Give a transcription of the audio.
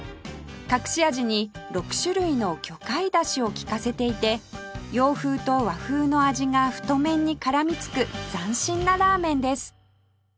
隠し味に６種類の魚介ダシを利かせていて洋風と和風の味が太麺に絡みつく斬新なラーメンです